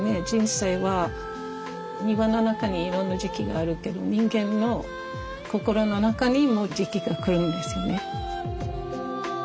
人生は庭の中にいろんな時期があるけど人間の心の中にも時期が来るんですよね。